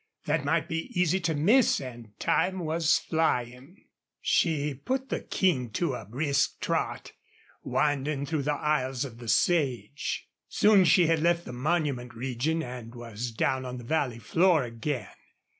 That might be easy to miss and time was flying. She put the King to a brisk trot, winding through the aisles of the sage. Soon she had left the monument region and was down on the valley floor again.